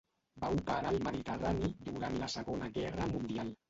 Va operar al Mediterrani durant la Segona Guerra Mundial.